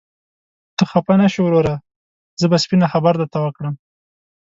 ته خفه نشې وروره، زه به سپينه خبره درته وکړم.